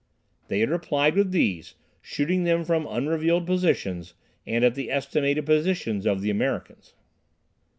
They had replied with these, shooting them from unrevealed positions, and at the estimated positions of the Americans.